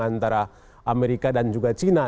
antara amerika dan juga china